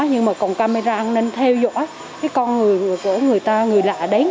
nhưng mà còn camera an ninh theo dõi con người của người ta người lạ đấy